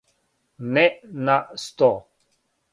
Не на сто.